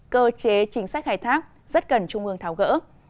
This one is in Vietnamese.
cơ chế chính sách khai thác rất cần trung ương tháo gỡ